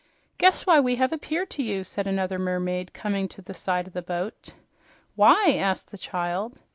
"Guess why we have appeared to you," said another mermaid, coming to the side of the boat. "Why?" asked the child.